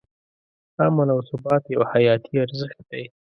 امن او ثبات یو حیاتي ارزښت دی.